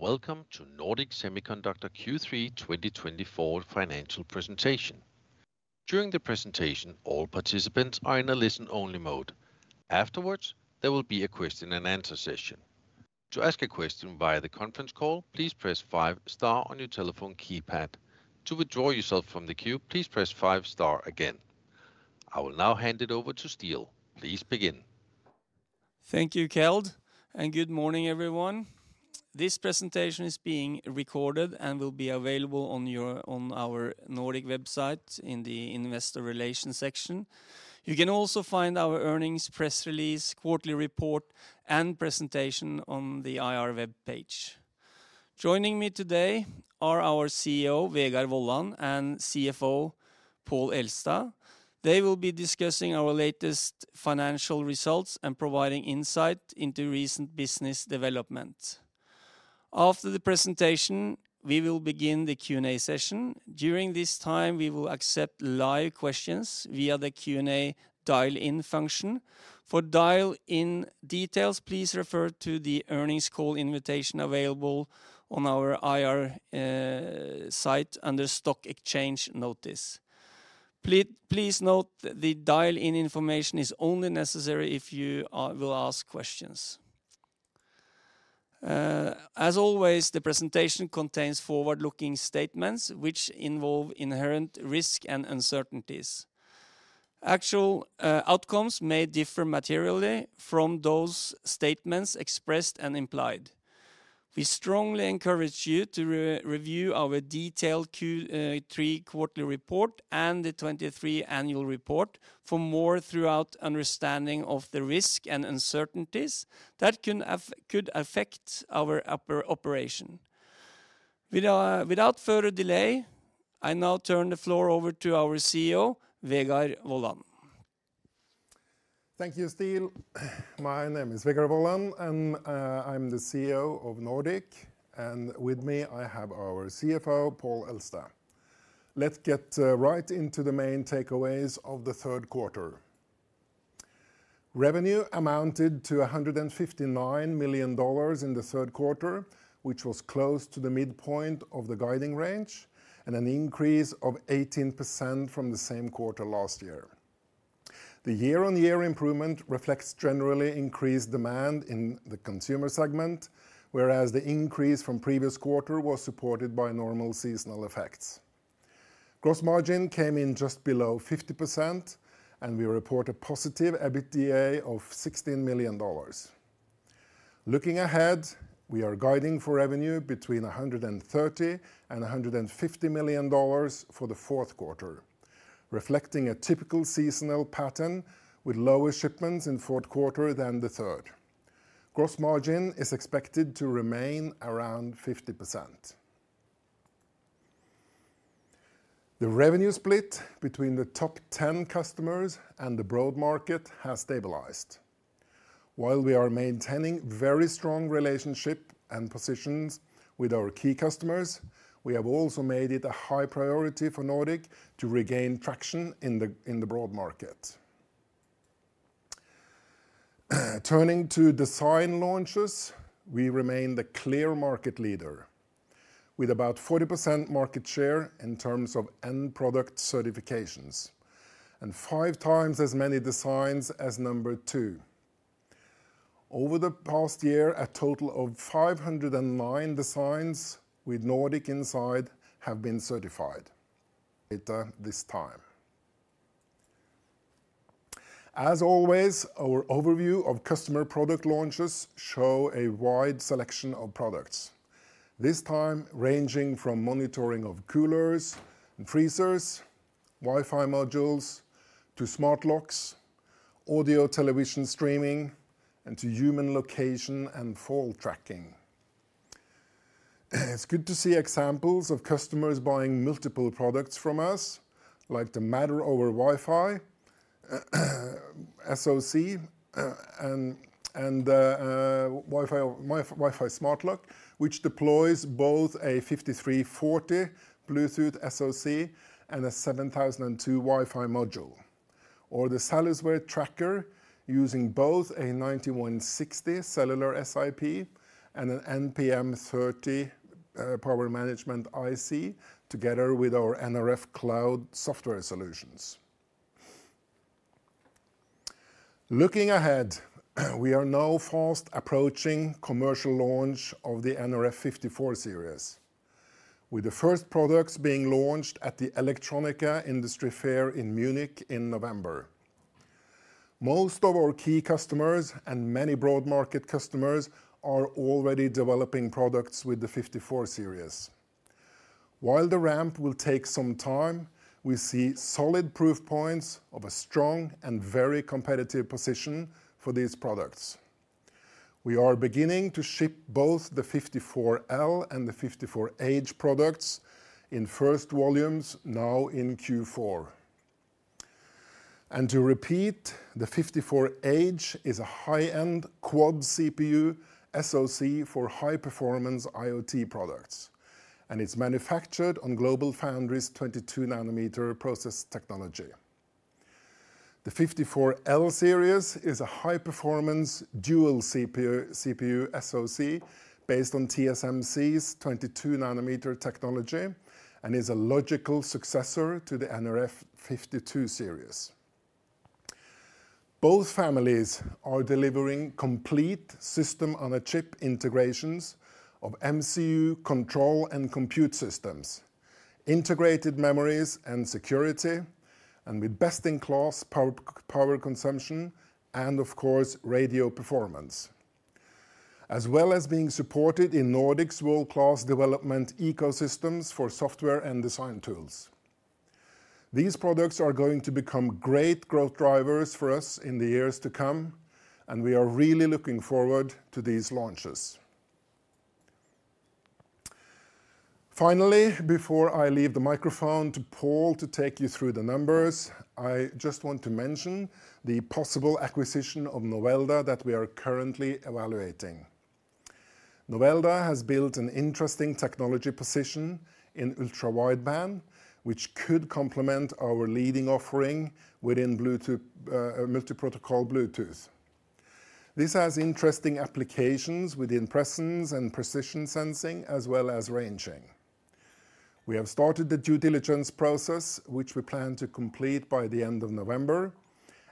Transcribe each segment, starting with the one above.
Welcome to Nordic Semiconductor Q3 2024 financial presentation. During the presentation, all participants are in a listen-only mode. Afterwards, there will be a question-and-answer session. To ask a question via the conference call, please press five star on your telephone keypad. To withdraw yourself from the queue, please press five star again. I will now hand it over to Ståle. Please begin. Thank you, Keld, and good morning, everyone. This presentation is being recorded and will be available on our Nordic website in the Investor Relations section. You can also find our earnings, press release, quarterly report, and presentation on the IR webpage. Joining me today are our CEO, Vegard Wollan, and CFO, Pål Elstad. They will be discussing our latest financial results and providing insight into recent business development. After the presentation, we will begin the Q&A session. During this time, we will accept live questions via the Q&A dial-in function. For dial-in details, please refer to the earnings call invitation available on our IR site under stock exchange notice. Please note that the dial-in information is only necessary if you will ask questions. As always, the presentation contains forward-looking statements which involve inherent risk and uncertainties. Actual outcomes may differ materially from those statements expressed and implied. We strongly encourage you to review our detailed Q3 quarterly report and the 2023 annual report for more thorough understanding of the risks and uncertainties that could affect our operation. Without further delay, I now turn the floor over to our CEO, Vegard Wollan. Thank you, Ståle. My name is Vegard Wollan, and I'm the CEO of Nordic, and with me, I have our CFO, Pål Elstad. Let's get right into the main takeaways of the third quarter. Revenue amounted to $159 million in the third quarter, which was close to the midpoint of the guiding range and an increase of 18% from the same quarter last year. The year-on-year improvement reflects generally increased demand in the consumer segment, whereas the increase from previous quarter was supported by normal seasonal effects. Gross margin came in just below 50%, and we report a positive EBITDA of $16 million. Looking ahead, we are guiding for revenue between $130 million and $150 million for the fourth quarter, reflecting a typical seasonal pattern with lower shipments in fourth quarter than the third. Gross margin is expected to remain around 50%. The revenue split between the top 10 customers and the broad market has stabilized. While we are maintaining very strong relationship and positions with our key customers, we have also made it a high priority for Nordic to regain traction in the broad market. Turning to design launches, we remain the clear market leader, with about 40% market share in terms of end product certifications and 5x as many designs as number two. Over the past year, a total of 509 designs with Nordic inside have been certified at this time. As always, our overview of customer product launches show a wide selection of products. This time ranging from monitoring of coolers and freezers, Wi-Fi modules, to smart locks, audio television streaming, and to human location and fall tracking. It's good to see examples of customers buying multiple products from us, like the Matter over Wi-Fi SoC and Wi-Fi smart lock, which deploys both an nRF5340 Bluetooth SoC and an nRF7002 Wi-Fi module, or the SalusWear tracker, using both an nRF9160 cellular SiP and an nPM1100 power management IC together with our nRF Cloud software solutions. Looking ahead, we are now fast approaching commercial launch of the nRF54 Series, with the first products being launched at the Electronica Industry Fair in Munich in November. Most of our key customers and many broad market customers are already developing products with the nRF54 Series. While the ramp will take some time, we see solid proof points of a strong and very competitive position for these products. We are beginning to ship both the nRF54L and the nRF54H products in first volumes now in Q4. And to repeat, the nRF54H is a high-end quad-core CPU SoC for high-performance IoT products, and it's manufactured on GlobalFoundries' 22 nm process technology. The nRF54L series is a high-performance dual-core CPU SoC based on TSMC's 22 nm technology and is a logical successor to the nRF52 series. Both families are delivering complete system-on-a-chip integrations of MCU control and compute systems, integrated memories and security, and with best-in-class power consumption, and of course, radio performance. As well as being supported in Nordic's world-class development ecosystems for software and design tools. These products are going to become great growth drivers for us in the years to come, and we are really looking forward to these launches. Finally, before I leave the microphone to Pål to take you through the numbers, I just want to mention the possible acquisition of Novelda that we are currently evaluating. Novelda has built an interesting technology position in ultra-wideband, which could complement our leading offering within Bluetooth, multi-protocol Bluetooth. This has interesting applications within presence and precision sensing, as well as ranging. We have started the due diligence process, which we plan to complete by the end of November,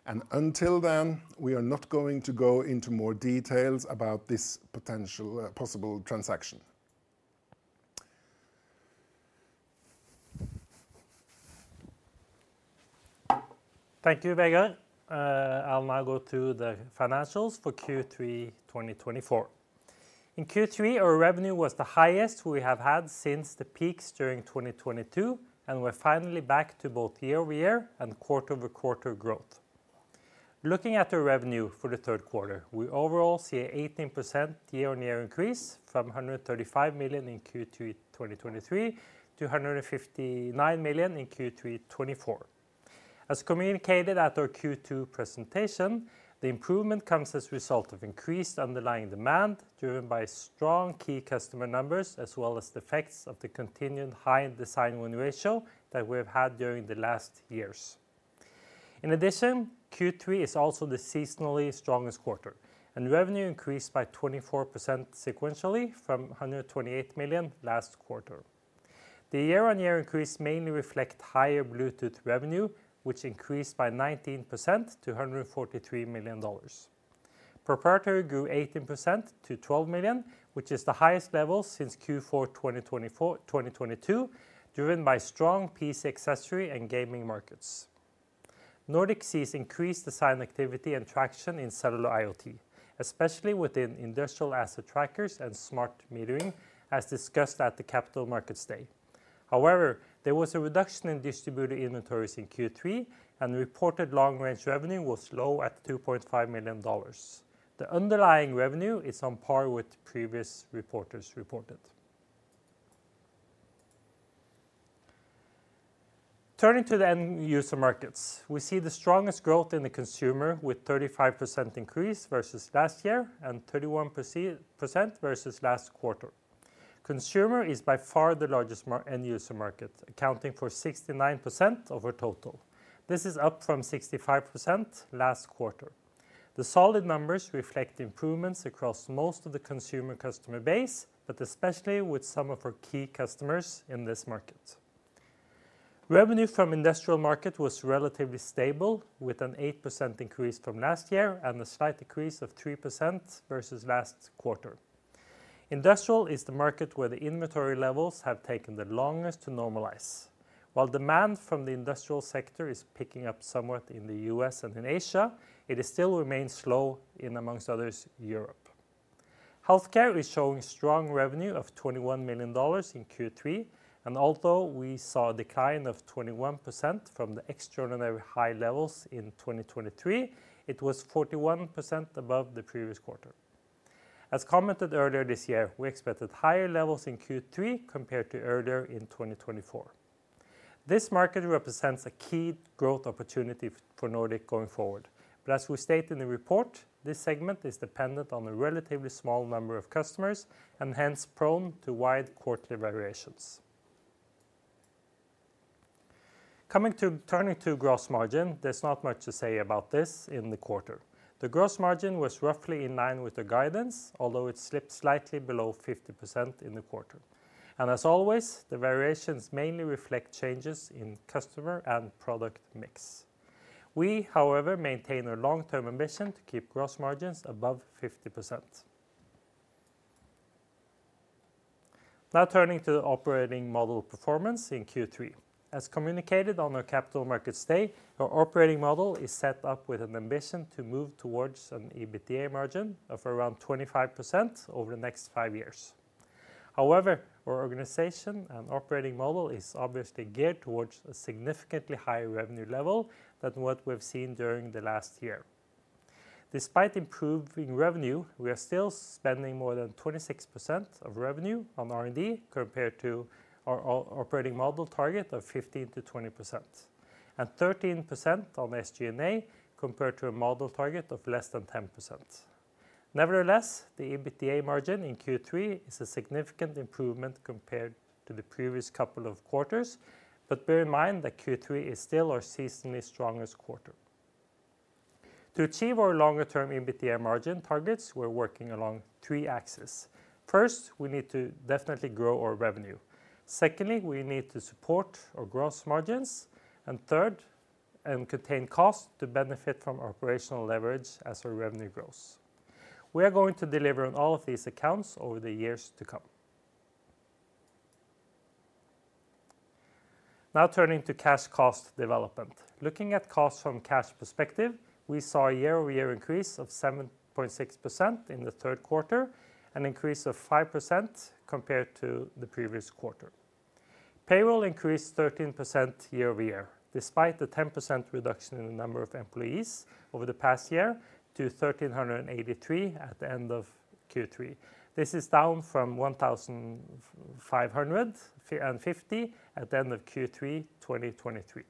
and until then, we are not going to go into more details about this potential, possible transaction. Thank you, Vegard. I'll now go to the financials for Q3 2024. In Q3, our revenue was the highest we have had since the peaks during 2022, and we're finally back to both year-over-year and quarter-over-quarter growth. Looking at the revenue for the third quarter, we overall see an 18% year-on-year increase from 135 million in Q3 2023 to 159 million in Q3 2024. As communicated at our Q2 presentation, the improvement comes as a result of increased underlying demand, driven by strong key customer numbers, as well as the effects of the continued high design win ratio that we have had during the last years. In addition, Q3 is also the seasonally strongest quarter, and revenue increased by 24% sequentially from 128 million last quarter. The year-on-year increase mainly reflect higher Bluetooth revenue, which increased by 19% to $143 million. Proprietary grew 18% to $12 million, which is the highest level since Q4 2022, driven by strong PC accessory and gaming markets. Nordic sees increased design activity and traction in cellular IoT, especially within industrial asset trackers and smart metering, as discussed at the Capital Markets Day. However, there was a reduction in distributor inventories in Q3, and the reported long-range revenue was low at $2.5 million. The underlying revenue is on par with previous reporters reported. Turning to the end user markets, we see the strongest growth in the consumer, with 35% increase versus last year and 31% versus last quarter. Consumer is by far the largest end-user market, accounting for 69% of our total. This is up from 65% last quarter. The solid numbers reflect improvements across most of the consumer customer base, but especially with some of our key customers in this market. Revenue from industrial market was relatively stable, with an 8% increase from last year and a slight decrease of 3% versus last quarter. Industrial is the market where the inventory levels have taken the longest to normalize. While demand from the industrial sector is picking up somewhat in the U.S. and in Asia, it still remains slow in, among others, Europe. Healthcare is showing strong revenue of $21 million in Q3, and although we saw a decline of 21% from the extraordinary high levels in 2023, it was 41% above the previous quarter. As commented earlier this year, we expected higher levels in Q3 compared to earlier in 2024. This market represents a key growth opportunity for Nordic going forward, but as we state in the report, this segment is dependent on a relatively small number of customers and hence prone to wide quarterly variations. Coming to, turning to gross margin, there's not much to say about this in the quarter. The gross margin was roughly in line with the guidance, although it slipped slightly below 50% in the quarter. And as always, the variations mainly reflect changes in customer and product mix. We, however, maintain our long-term ambition to keep gross margins above 50%. Now, turning to the operating model performance in Q3. As communicated on our Capital Markets Day, our operating model is set up with an ambition to move towards an EBITDA margin of around 25% over the next five years. However, our organization and operating model is obviously geared towards a significantly higher revenue level than what we've seen during the last year. Despite improving revenue, we are still spending more than 26% of revenue on R&D, compared to our operating model target of 15%-20%, and 13% on SG&A, compared to a model target of less than 10%. Nevertheless, the EBITDA margin in Q3 is a significant improvement compared to the previous couple of quarters, but bear in mind that Q3 is still our seasonally strongest quarter. To achieve our longer-term EBITDA margin targets, we're working along three axes. First, we need to definitely grow our revenue. Secondly, we need to support our gross margins, and third, contain costs to benefit from operational leverage as our revenue grows. We are going to deliver on all of these accounts over the years to come. Now, turning to cash cost development. Looking at costs from cash perspective, we saw a year-over-year increase of 7.6% in the third quarter, an increase of 5% compared to the previous quarter. Payroll increased 13% year-over-year, despite the 10% reduction in the number of employees over the past year to 1,383 at the end of Q3. This is down from 1,550 at the end of Q3 2023.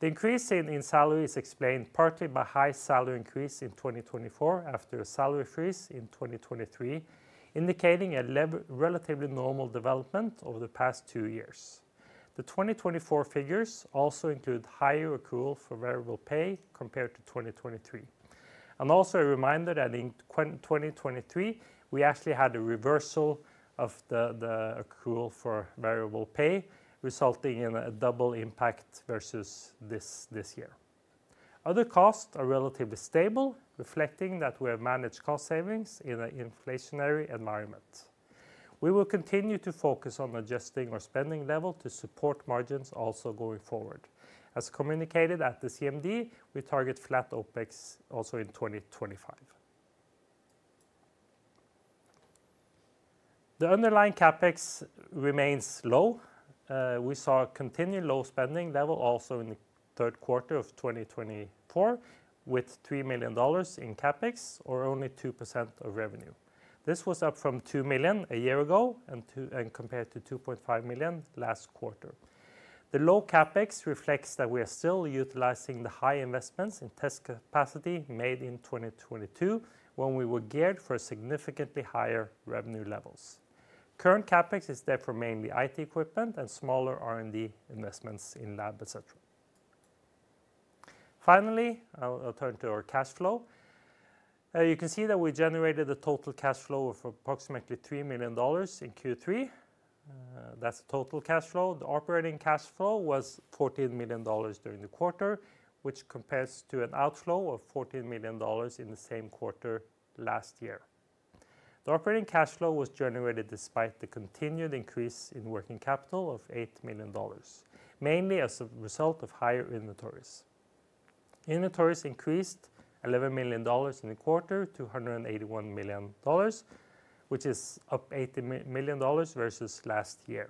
The increase in salary is explained partly by high salary increase in 2024, after a salary freeze in 2023, indicating a relatively normal development over the past two years. The 2024 figures also include higher accrual for variable pay compared to 2023. I'm also reminded that in 2023, we actually had a reversal of the accrual for variable pay, resulting in a double impact versus this year. Other costs are relatively stable, reflecting that we have managed cost savings in an inflationary environment. We will continue to focus on adjusting our spending level to support margins also going forward. As communicated at the CMD, we target flat OpEx also in 2025. The underlying CapEx remains low. We saw a continued low spending level also in the third quarter of 2024, with $3 million in CapEx, or only 2% of revenue. This was up from $2 million a year ago, and compared to $2.5 million last quarter. The low CapEx reflects that we are still utilizing the high investments in test capacity made in 2022, when we were geared for significantly higher revenue levels. Current CapEx is therefore mainly IT equipment and smaller R&D investments in lab, et cetera. Finally, I'll turn to our cash flow. You can see that we generated a total cash flow of approximately $3 million in Q3. That's the total cash flow. The operating cash flow was $14 million during the quarter, which compares to an outflow of $14 million in the same quarter last year. The operating cash flow was generated despite the continued increase in working capital of $8 million, mainly as a result of higher inventories. Inventories increased $11 million in the quarter to $181 million, which is up $80 million versus last year.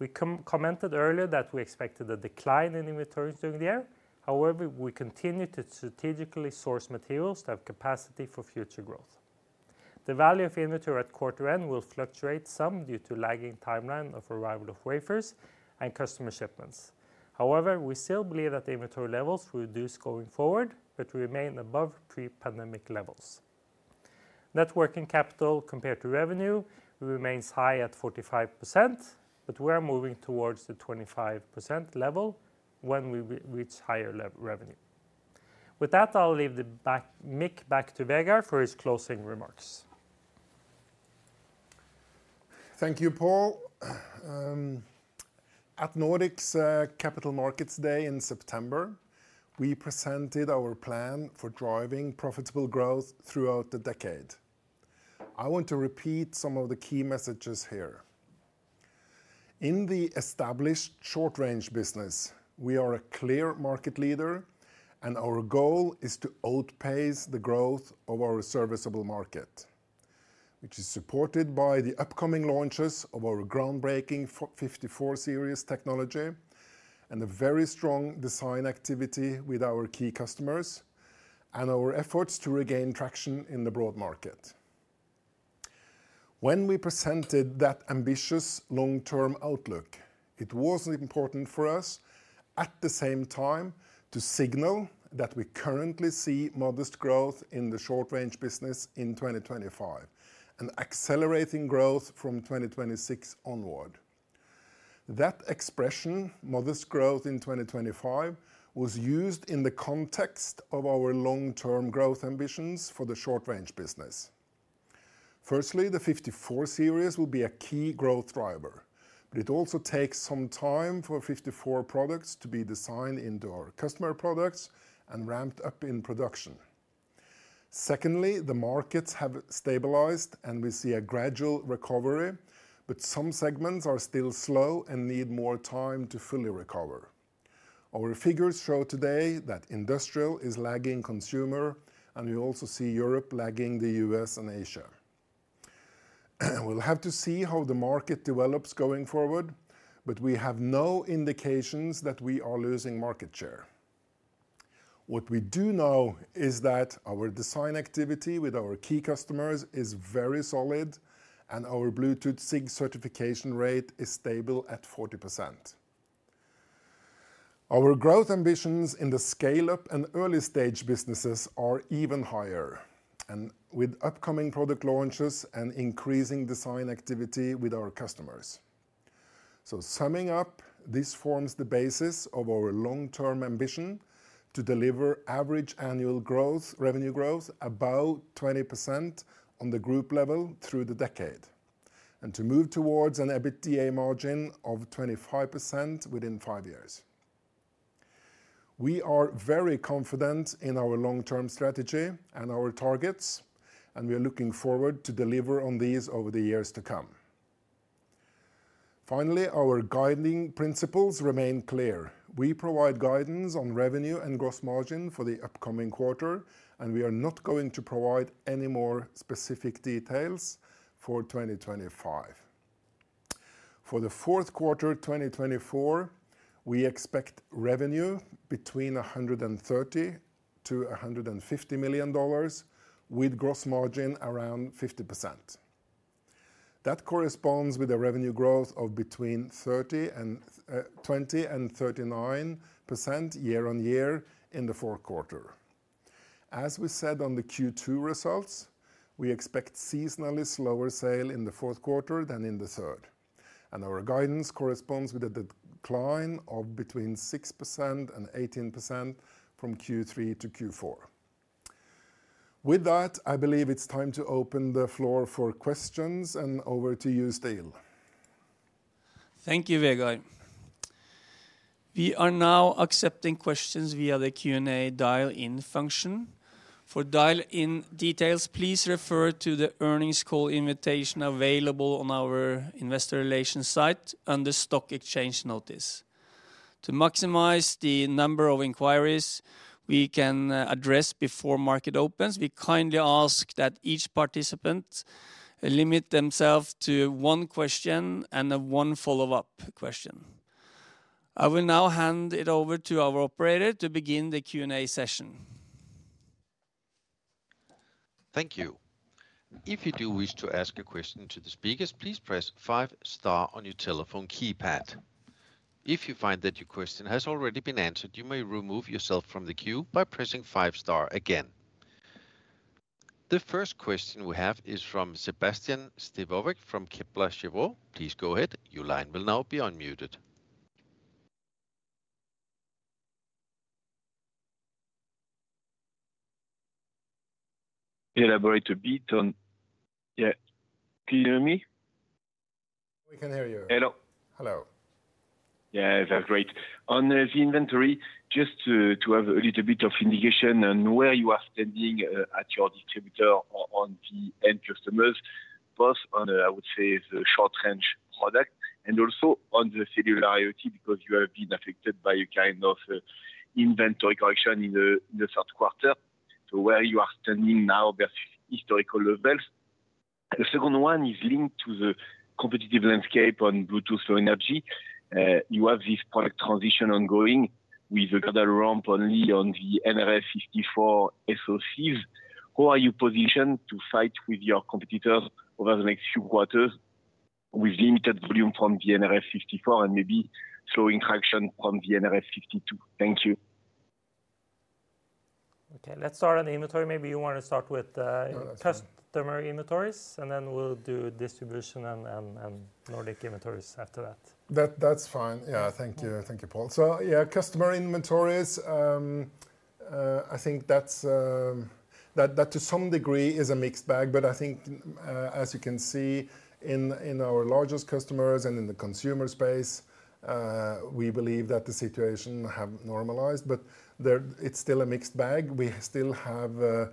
We commented earlier that we expected a decline in inventories during the year. However, we continue to strategically source materials to have capacity for future growth. The value of inventory at quarter end will fluctuate some due to lagging timeline of arrival of wafers and customer shipments. However, we still believe that the inventory levels will reduce going forward, but remain above pre-pandemic levels. Net working capital compared to revenue remains high at 45%, but we are moving towards the 25% level when we reach higher revenue. With that, I'll leave the mic back to Vegard for his closing remarks. Thank you, Pål. At Nordic's Capital Markets Day in September, we presented our plan for driving profitable growth throughout the decade. I want to repeat some of the key messages here. In the established short-range business, we are a clear market leader, and our goal is to outpace the growth of our serviceable market, which is supported by the upcoming launches of our groundbreaking nRF54 series technology, and a very strong design activity with our key customers, and our efforts to regain traction in the broad market. When we presented that ambitious long-term outlook, it was important for us, at the same time, to signal that we currently see modest growth in the short-range business in twenty twenty-five and accelerating growth from twenty twenty-six onward. That expression, modest growth in twenty twenty-five, was used in the context of our long-term growth ambitions for the short-range business. Firstly, the nRF54 Series will be a key growth driver, but it also takes some time for nRF54 products to be designed into our customer products and ramped up in production. Secondly, the markets have stabilized, and we see a gradual recovery, but some segments are still slow and need more time to fully recover. Our figures show today that industrial is lagging consumer, and we also see Europe lagging the U.S. and Asia. We'll have to see how the market develops going forward, but we have no indications that we are losing market share. What we do know is that our design activity with our key customers is very solid, and our Bluetooth SIG certification rate is stable at 40%. Our growth ambitions in the scale-up and early-stage businesses are even higher, and with upcoming product launches and increasing design activity with our customers. So summing up, this forms the basis of our long-term ambition to deliver average annual growth, revenue growth, above 20% on the group level through the decade, and to move towards an EBITDA margin of 25% within five years. We are very confident in our long-term strategy and our targets, and we are looking forward to deliver on these over the years to come. Finally, our guiding principles remain clear. We provide guidance on revenue and gross margin for the upcoming quarter, and we are not going to provide any more specific details for 2025. For the fourth quarter, 2024, we expect revenue between $130 million and $150 million, with gross margin around 50%. That corresponds with a revenue growth of between 20% and 39% year-on-year in the fourth quarter. As we said on the Q2 results, we expect seasonally slower sales in the fourth quarter than in the third, and our guidance corresponds with a decline of between 6% and 18% from Q3 to Q4. With that, I believe it's time to open the floor for questions, and over to you, Ståle. Thank you, Vegard. We are now accepting questions via the Q&A dial-in function. For dial-in details, please refer to the earnings call invitation available on our investor relations site under stock exchange notice. To maximize the number of inquiries we can address before market opens, we kindly ask that each participant limit themselves to one question and then one follow-up question. I will now hand it over to our operator to begin the Q&A session. Thank you. If you do wish to ask a question to the speakers, please press five star on your telephone keypad. If you find that your question has already been answered, you may remove yourself from the queue by pressing five star again. The first question we have is from Sébastien Sztabowicz from Kepler Cheuvreux. Please go ahead. Your line will now be unmuted. Elaborate a bit on. Yeah, can you hear me? We can hear you. Hello. Hello. Yeah, that's great. On the inventory, just to have a little bit of indication on where you are standing at your distributor or on the end customers, both on, I would say, the short-range product, and also on the cellular IoT, because you have been affected by a kind of inventory correction in the third quarter. So where you are standing now versus historical levels? The second one is linked to the competitive landscape on Bluetooth Low Energy. You have this product transition ongoing with a gradual ramp only on the nRF54 SoCs. How are you positioned to fight with your competitors over the next few quarters with limited volume from the nRF54 and maybe slowing traction from the nRF52? Thank you. Okay, let's start on the inventory. Maybe you want to start with customer inventories, and then we'll do distribution and Nordic inventories after that. That, that's fine. Yeah. Thank you, Pål. So yeah, customer inventories, I think that to some degree is a mixed bag. But I think, as you can see in our largest customers and in the consumer space, we believe that the situation have normalized, but there it's still a mixed bag. We still have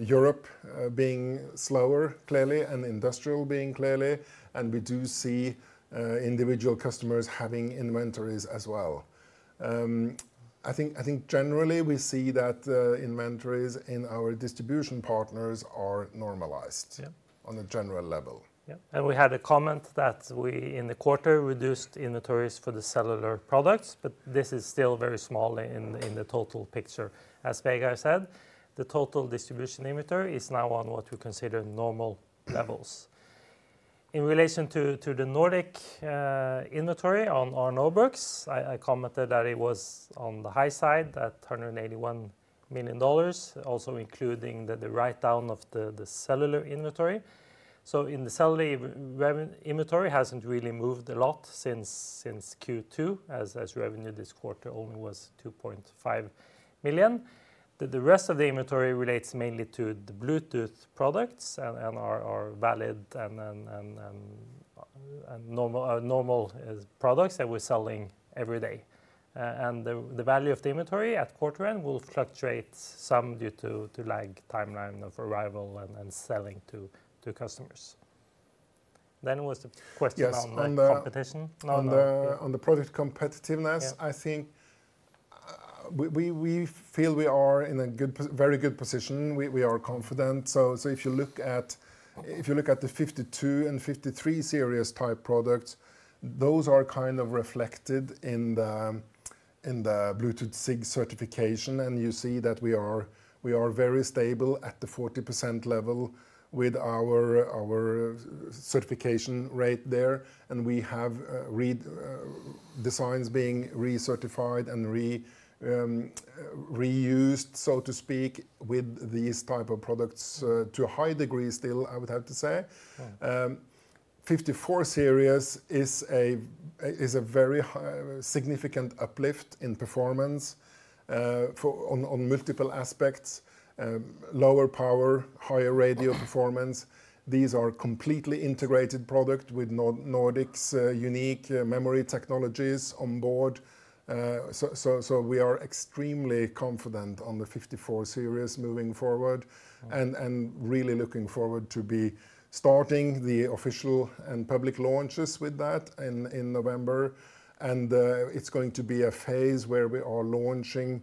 Europe being slower, clearly, and industrial being clearly, and we do see individual customers having inventories as well. I think generally we see that inventories in our distribution partners are normalized on a general level. Yeah, and we had a comment that we in the quarter reduced inventories for the cellular products, but this is still very small in the total picture. As Vegard said, the total distribution inventory is now on what we consider normal levels. In relation to the Nordic inventory on our books, I commented that it was on the high side, at $381 million, also including the write-down of the cellular inventory. So the cellular inventory hasn't really moved a lot since Q2, as revenue this quarter only was $2.5 million. The rest of the inventory relates mainly to the Bluetooth products and are valid and normal as products that we're selling every day. And the value of the inventory at quarter end will fluctuate some due to lag timeline of arrival and selling to customers. Then what's the question on the competition? On the product competitiveness, I think, we feel we are in a very good position. We are confident. So if you look at the fifty-two and fifty-three series type products, those are kind of reflected in the Bluetooth SIG certification, and you see that we are very stable at the 40% level with our certification rate there. And we have designs being recertified and reused, so to speak, with these type of products, to a high degree still, I would have to say. Fifty-four series is a very high, significant uplift in performance for multiple aspects: lower power, higher radio performance. These are completely integrated product with Nordic's unique memory technologies on board, so we are extremely confident on the fifty-four series moving forward and really looking forward to be starting the official and public launches with that in November. It's going to be a phase where we are launching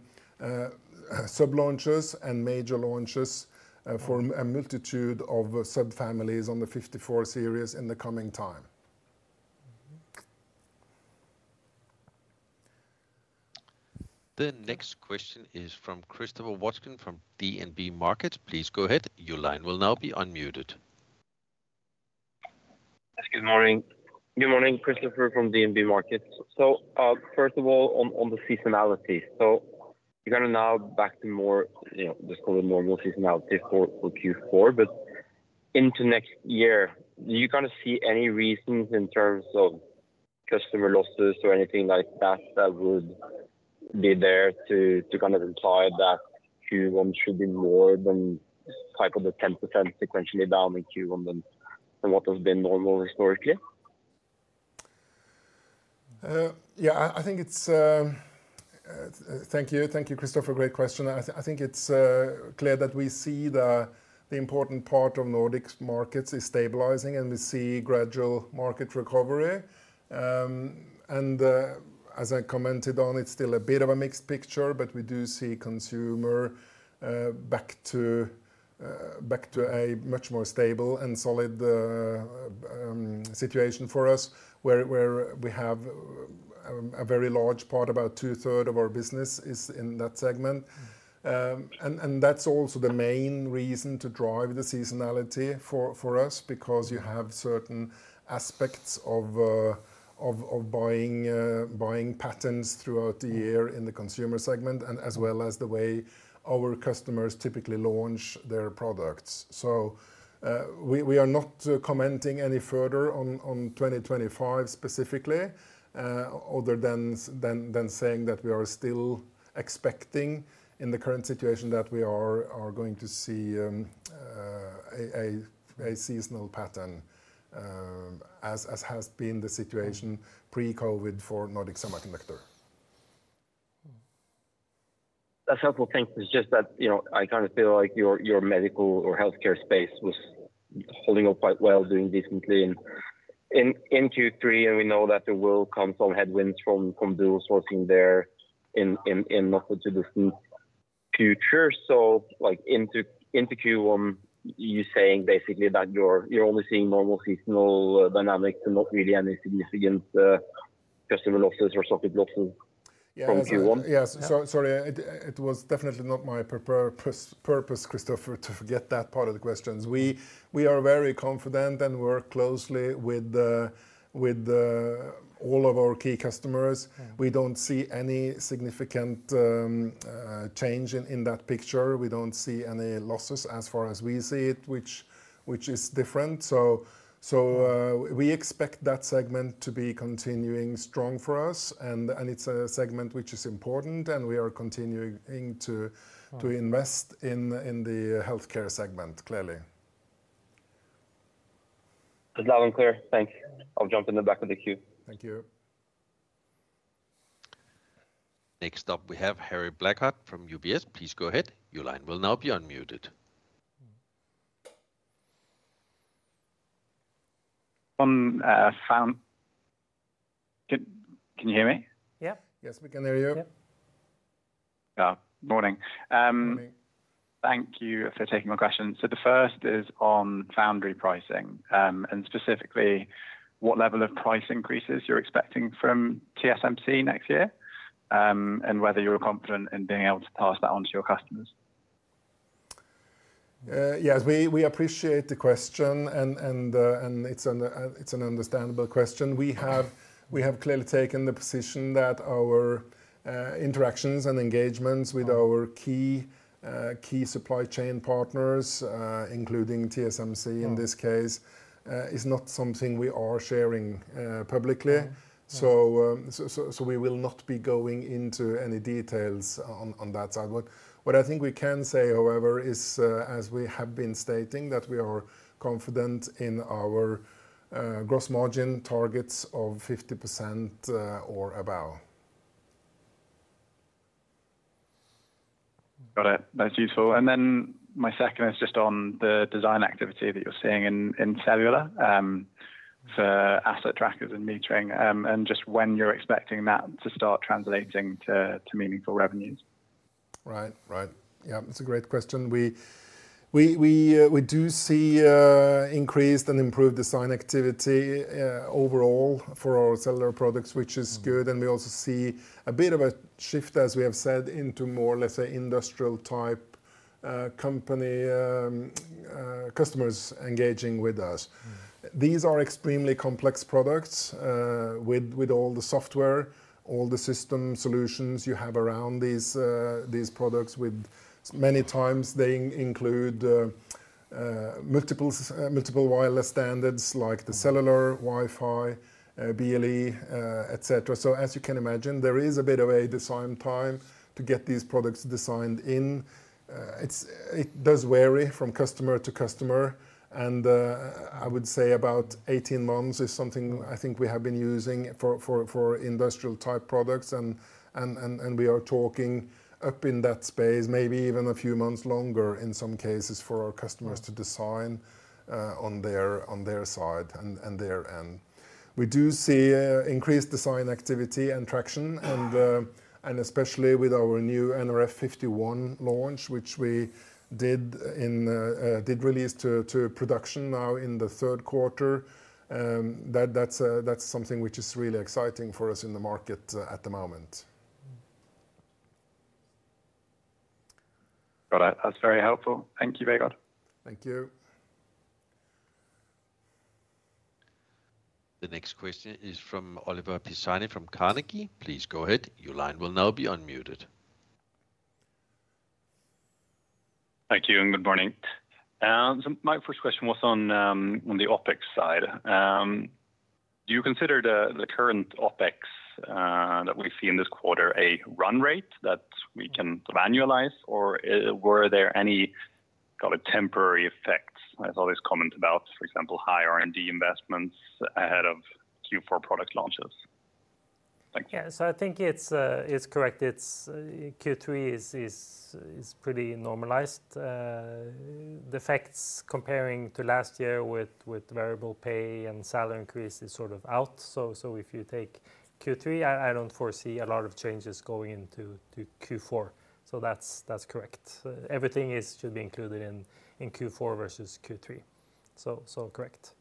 sub launches and major launches for a multitude of subfamilies on the fifty-four series in the coming time. The next question is from Christoffer Bjørnsen, from DNB Markets. Please go ahead. Your line will now be unmuted. Yes, good morning. Good morning, Christoffer from DNB Markets. So, first of all, on the seasonality. So you're gonna now back to more, you know, let's call it normal seasonality for Q4. But into next year, do you kinda see any reasons in terms of customer losses or anything like that, that would be there to kind of imply that Q1 should be more than type of the 10% sequentially down in Q1 than what has been normal historically? Thank you. Thank you, Christoffer. Great question. I think it's clear that we see the important part of Nordic's markets is stabilizing, and we see gradual market recovery. As I commented on, it's still a bit of a mixed picture, but we do see consumer back to a much more stable and solid situation for us, where we have a very large part, about two third of our business is in that segment. And that's also the main reason to drive the seasonality for us, because you have certain aspects of buying patterns throughout the year in the consumer segment, and as well as the way our customers typically launch their products. So, we are not commenting any further on 2025 specifically, other than saying that we are still expecting in the current situation that we are going to see a seasonal pattern, as has been the situation pre-COVID for Nordic Semiconductor. A couple of things is just that, you know, I kind of feel like your medical or healthcare space was holding up quite well, doing decently in Q3, and we know that there will come some headwinds from dual sourcing there in not too distant future. So, like, into Q1, you saying basically that you're only seeing normal seasonal dynamics and not really any significant customer losses or socket losses from Q1? Yes. Sorry, it was definitely not my purpose, Christoffer, to forget that part of the questions. We are very confident and work closely with all of our key customers. We don't see any significant change in that picture. We don't see any losses as far as we see it, which is different. So we expect that segment to be continuing strong for us, and it's a segment which is important, and we are continuing to invest in the healthcare segment, clearly. Loud and clear. Thank you. I'll jump in the back of the queue. Thank you. Next up, we have Harry Blaiklock from UBS. Please go ahead. Your line will now be unmuted. Can you hear me? Yeah. Yes, we can hear you. Yeah. Morning. Morning. Thank you for taking my question. So the first is on foundry pricing, and specifically, what level of price increases you're expecting from TSMC next year, and whether you are confident in being able to pass that on to your customers? Yes, we appreciate the question, and it's an understandable question. We have clearly taken the position that our interactions and engagements with our key supply chain partners, including TSMC in this case is not something we are sharing publicly. We will not be going into any details on that side. What I think we can say, however, is as we have been stating, that we are confident in our gross margin targets of 50% or above. Got it. That's useful. And then my second is just on the design activity that you're seeing in cellular, for asset trackers and metering, and just when you're expecting that to start translating to meaningful revenues? Right, right. Yeah, it's a great question. We do see increased and improved design activity overall for our cellular products, which is good. And we also see a bit of a shift, as we have said, into more, let's say, industrial type company customers engaging with us. These are extremely complex products, with all the software, all the system solutions you have around these products, with many times they include multiple wireless standards like the cellular, Wi-Fi, BLE, et cetera. So as you can imagine, there is a bit of a design time to get these products designed in. It does vary from customer to customer, and I would say about eighteen months is something I think we have been using for industrial-type products. We are talking up in that space, maybe even a few months longer in some cases, for our customers to design on their side and their end. We do see increased design activity and traction, and especially with our new nRF9151 launch, which we did release to production now in the third quarter. That's something which is really exciting for us in the market at the moment. Got it. That's very helpful. Thank you very much. Thank you. The next question is from Oliver Pisani, from Carnegie. Please go ahead. Your line will now be unmuted. Thank you, and good morning. So my first question was on the OpEx side. Do you consider the current OpEx that we see in this quarter a run rate that we can annualize, or were there any kind of temporary effects? I saw this comment about, for example, high R&D investments ahead of Q4 product launches. Thank you. Yeah. So I think it's correct. It's Q3 is pretty normalized. The effects comparing to last year with variable pay and salary increase is sort of out. So if you take Q3, I don't foresee a lot of changes going into Q4. So that's correct. Everything should be included in Q4 versus Q3. So correct.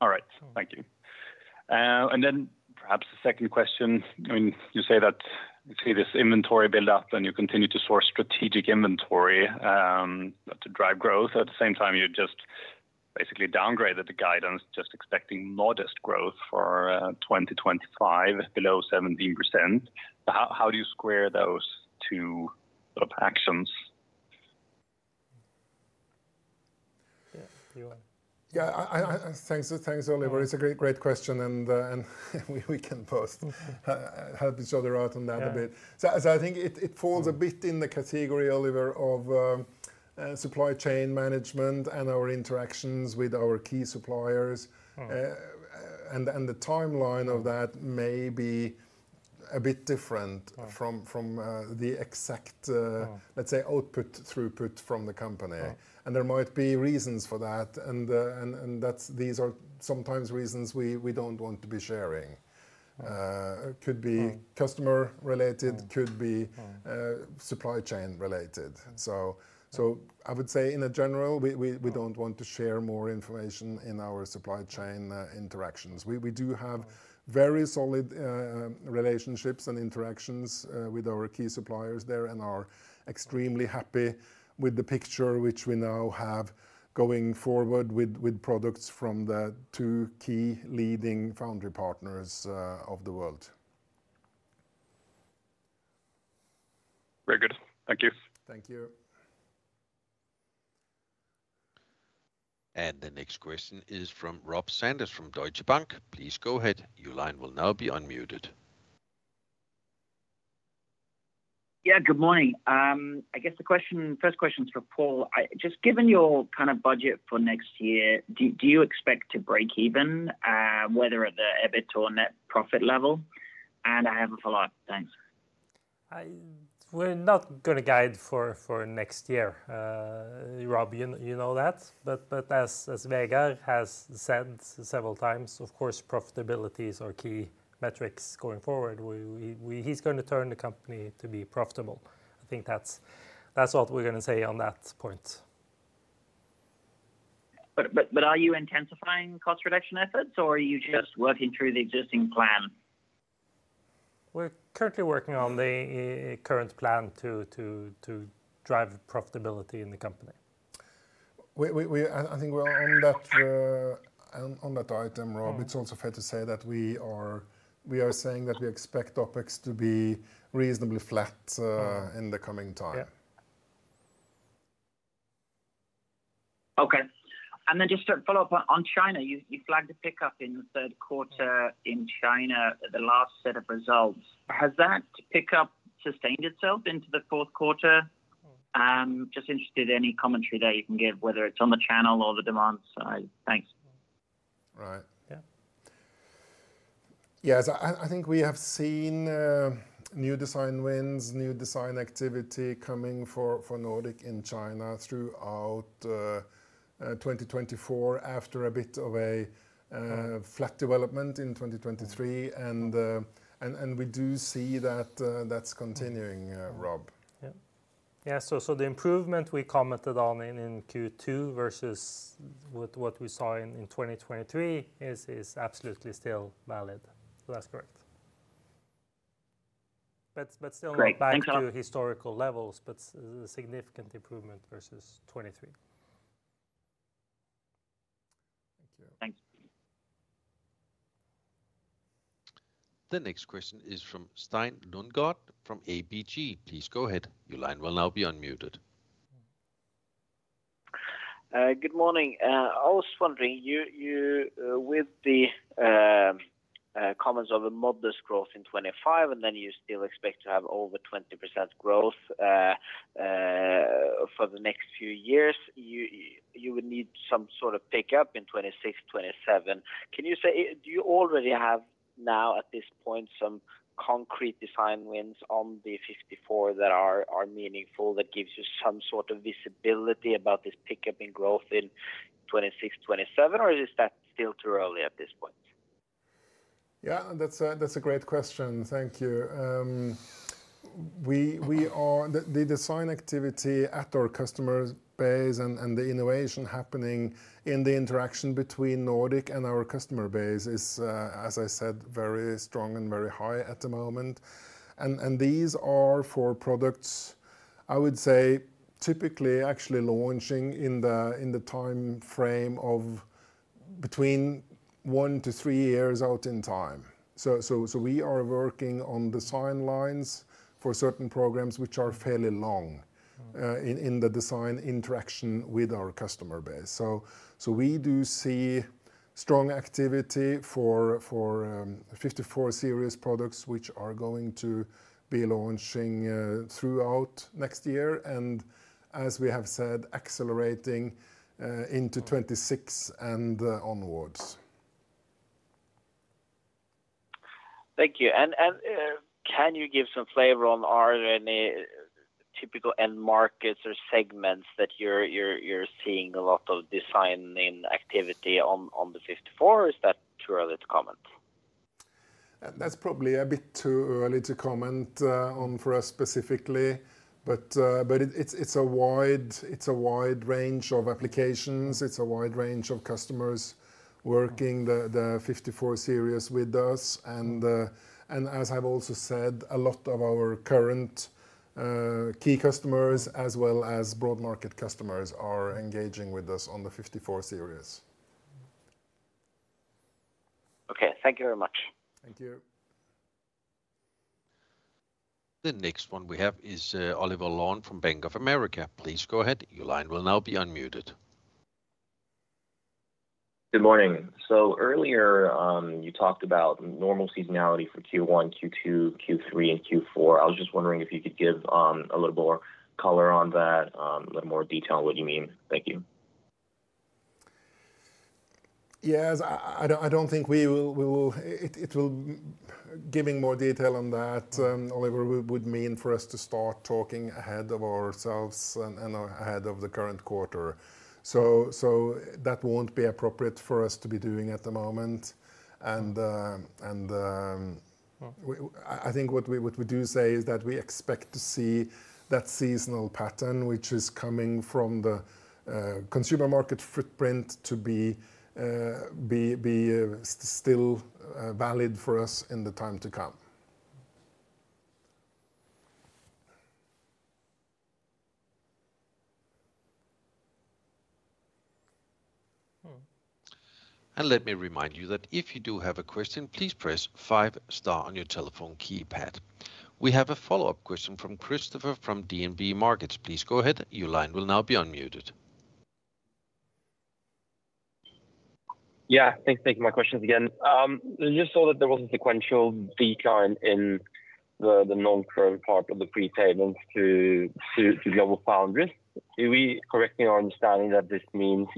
All right. Thank you. And then perhaps the second question: I mean, you say that you see this inventory build-up, and you continue to source strategic inventory, to drive growth. At the same time, you just basically downgraded the guidance, just expecting modest growth for twenty twenty-five, below 17%. How do you square those two sort of actions? Yeah, you want? Yeah, thanks, Oliver. It's a great question, and we can both help each other out on that a bit. So I think it falls a bit in the category, Oliver, of supply chain management and our interactions with our key suppliers. And the timeline of that may be a bit different from the exact let's say, output, throughput from the company. And there might be reasons for that and these are sometimes reasons we don't want to be sharing. Could be customer related, could be supply chain related. So I would say in general, we don't want to share more information in our supply chain interactions. We do have very solid relationships and interactions with our key suppliers there and are extremely happy with the picture which we now have going forward with products from the two key leading foundry partners of the world. Very good. Thank you. Thank you. The next question is from Rob Sanders, from Deutsche Bank. Please go ahead. Your line will now be unmuted. Yeah, good morning. I guess the question, first question is for Pål. I... Just given your kind of budget for next year, do you expect to break even, whether at the EBIT or net profit level? And I have a follow-up. Thanks. We're not gonna guide for next year, Rob. You know that. But as Vegard has said several times, of course, profitabilities are key metrics going forward. He's going to turn the company to be profitable. I think that's what we're gonna say on that point. Are you intensifying cost reduction efforts, or are you just working through the existing plan? We're currently working on the current plan to drive profitability in the company. I think we're on that item, Rob. It's also fair to say that we are saying that we expect OpEx to be reasonably flat in the coming time. Yeah. Okay. And then just a follow-up on China. You flagged a pickup in the third quarter in China, the last set of results. Has that pickup sustained itself into the fourth quarter? Just interested, any commentary there you can give, whether it's on the channel or the demand side? Thanks. Right. Yeah. Yes, I think we have seen new design wins, new design activity coming for Nordic in China throughout 2024, after a bit of a flat development in 2023. We do see that that's continuing, Rob. Yeah, so the improvement we commented on in Q2 versus what we saw in 2023 is absolutely still valid. So that's correct. But still-back to historical levels, but significant improvement versus 2023. Thank you. Thank you. The next question is from Øystein Lodgaard from ABG. Please go ahead. Your line will now be unmuted. Good morning. I was wondering, with the comments of a modest growth in 2025, and then you still expect to have over 20% growth for the next few years, you would need some sort of pickup in 2026, 2027. Can you say, do you already have now, at this point, some concrete design wins on the nRF54 that are meaningful, that gives you some sort of visibility about this pickup in growth in 2026, 2027? Or is that still too early at this point? Yeah, that's a great question. Thank you. We are. The design activity at our customer base and the innovation happening in the interaction between Nordic and our customer base is, as I said, very strong and very high at the moment. And these are for products, I would say, typically, actually, launching in the time frame of between one to three years out in time. So we are working on design lines for certain programs, which are fairly long in the design interaction with our customer base. So we do see strong activity for fifty-four series products, which are going to be launching throughout next year, and as we have said, accelerating into 2026 and onwards. Thank you. And can you give some flavor on are there any typical end markets or segments that you're seeing a lot of design-in activity on the fifty-four, or is that too early to comment? That's probably a bit too early to comment on for us specifically, but but it, it's a wide range of applications. It's a wide range of customers working the fifty-four series with us. And as I've also said, a lot of our current key customers, as well as broad market customers, are engaging with us on the fifty-four series. Okay. Thank you very much. Thank you. The next one we have is, Oliver Wong from Bank of America. Please go ahead. Your line will now be unmuted. Good morning. So earlier, you talked about normal seasonality for Q1, Q2, Q3, and Q4. I was just wondering if you could give a little more color on that, a little more detail on what you mean? Thank you. Yes. I don't think we will. Giving more detail on that, Oliver, would mean for us to start talking ahead of ourselves and ahead of the current quarter. So that won't be appropriate for us to be doing at the moment. And I think what we do say is that we expect to see that seasonal pattern, which is coming from the consumer market footprint, to be still valid for us in the time to come. And let me remind you that if you do have a question, please press five star on your telephone keypad. We have a follow-up question from Christoffer from DNB Markets. Please go ahead. Your line will now be unmuted. Yeah, thanks. Thank you. My question is again, just saw that there was a sequential decline in the non-current part of the prepayments to GlobalFoundries. Are we correctly understanding that this means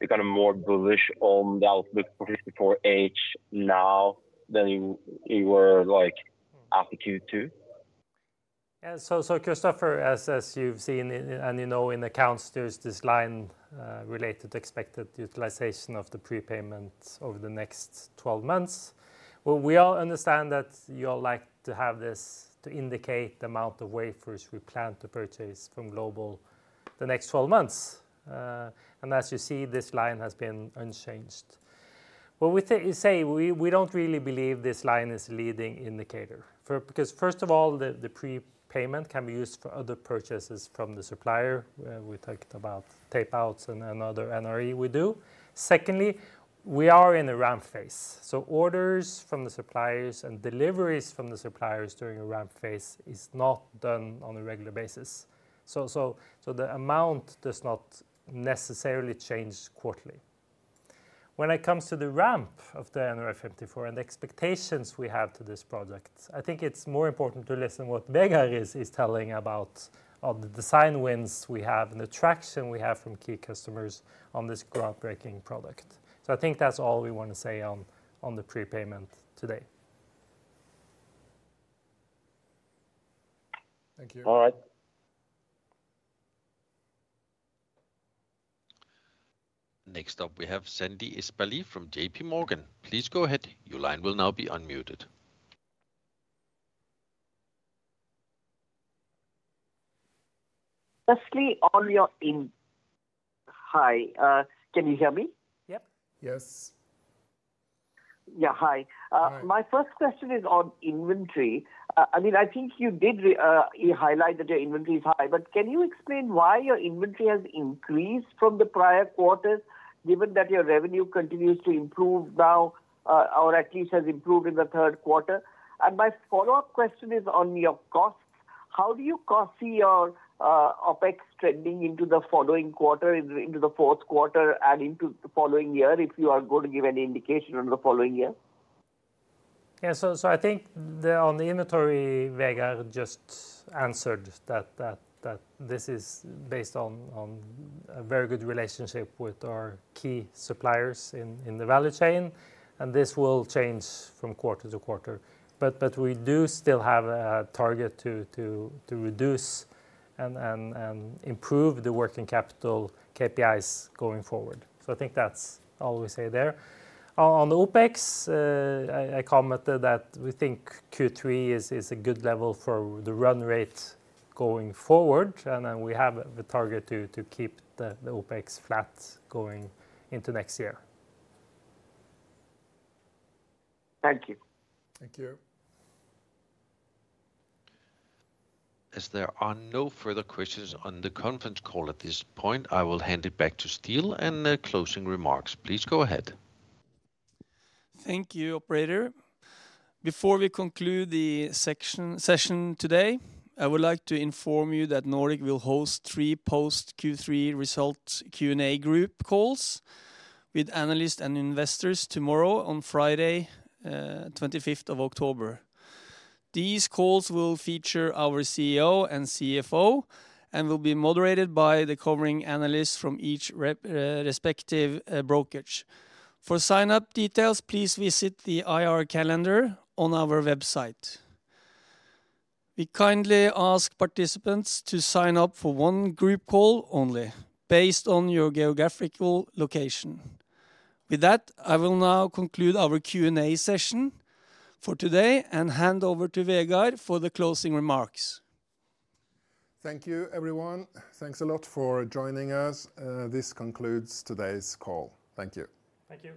you're kind of more bullish on the outlook for fifty-four H now than you were, like, after Q2? Yeah. So, Christopher, as you've seen and you know, in accounts, there's this line related to expected utilization of the prepayment over the next twelve months. Well, we all understand that you all like to have this to indicate the amount of wafers we plan to purchase from Global the next twelve months. And as you see, this line has been unchanged. What we say, we don't really believe this line is leading indicator for. Because first of all, the prepayment can be used for other purchases from the supplier. We talked about tape outs and other NRE we do. Secondly, we are in a ramp phase, so orders from the suppliers and deliveries from the suppliers during a ramp phase is not done on a regular basis. So, the amount does not necessarily change quarterly. When it comes to the ramp of the nRF54 and the expectations we have to this product, I think it's more important to listen to what Vegard is telling about on the design wins we have and the traction we have from key customers on this groundbreaking product, so I think that's all we want to say on the prepayment today. Thank you. All right. Next up, we have Sandeep Deshpande from JPMorgan. Please go ahead. Your line will now be unmuted. Hi, can you hear me? Yep. Yes. Yeah, hi. Hi. My first question is on inventory. I mean, I think you did you highlighted that your inventory is high, but can you explain why your inventory has increased from the prior quarters, given that your revenue continues to improve now, or at least has improved in the third quarter? And my follow-up question is on your costs. How do you see your OpEx trending into the following quarter, into the fourth quarter and into the following year, if you are going to give any indication on the following year? Yeah. So I think on the inventory, Vegard just answered that this is based on a very good relationship with our key suppliers in the value chain, and this will change from quarter to quarter. But we do still have a target to reduce and improve the working capital KPIs going forward. So I think that's all we say there. On the OpEx, I commented that we think Q3 is a good level for the run rate going forward, and then we have the target to keep the OpEx flat going into next year. Thank you. Thank you. As there are no further questions on the conference call at this point, I will hand it back to Ståle and the closing remarks. Please go ahead. Thank you, operator. Before we conclude the session today, I would like to inform you that Nordic will host three post Q3 results Q&A group calls with analysts and investors tomorrow on Friday, twenty-fifth of October. These calls will feature our CEO and CFO and will be moderated by the covering analysts from each respective brokerage. For sign-up details, please visit the IR calendar on our website. We kindly ask participants to sign up for one group call only, based on your geographical location. With that, I will now conclude our Q&A session for today and hand over to Vegard for the closing remarks. Thank you, everyone. Thanks a lot for joining us. This concludes today's call. Thank you. Thank you.